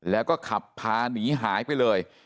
แล้วก็ขับพาหนีหายไปเลย